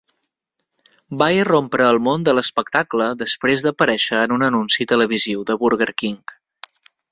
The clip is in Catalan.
Va irrompre al món de l'espectacle després d'aparèixer en un anunci televisiu de Burger King.